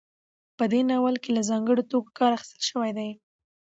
په دې ناول کې له ځانګړو توکو کار اخیستل شوی دی.